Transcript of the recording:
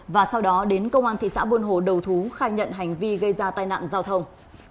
và sau đó đến công an thị xã buôn hồ đầu thú khai nhận hành vi gây ra tai nạn giao thông